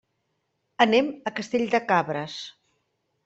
Anem a Castell de Cabres.